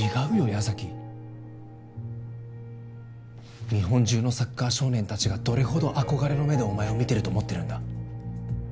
矢崎日本中のサッカー少年達がどれほど憧れの目でお前を見てると思ってるんだ